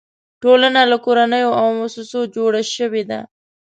ټولنه له کورنیو او مؤسسو جوړه شوې ده.